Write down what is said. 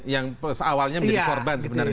yang awalnya menjadi korban sebenarnya